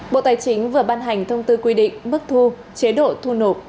bộ tài chính vừa ban hành thông tư quy định mức thu chế độ thu nộp